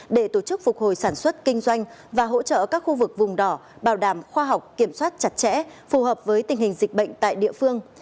để tổ chức phục hồi sản xuất kinh doanh và hỗ trợ các khu vực vùng đỏ bảo đảm khoa học kiểm soát chặt chẽ phù hợp với tình hình dịch bệnh tại địa phương